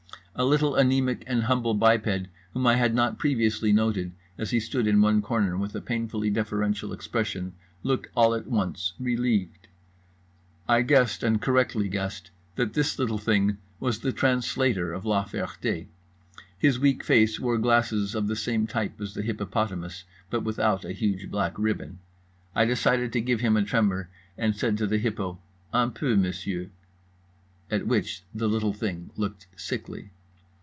A little anaemic and humble biped whom I had not previously noted, as he stood in one corner with a painfully deferential expression, looked all at once relieved. I guessed, and correctly guessed, that this little thing was the translator of La Ferté. His weak face wore glasses of the same type as the hippopotamus', but without a huge black ribbon. I decided to give him a tremor; and said to the hippo "Un peu, Monsieur," at which the little thing looked sickly.